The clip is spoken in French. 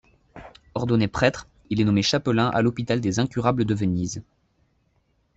Ordonné prêtre, il est nommé chapelain à l’hôpital des Incurables de Venise.